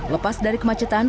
lepas dari kemacetan